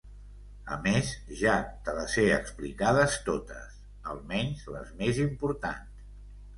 A més, ja te les he explicades totes, almenys les més importants.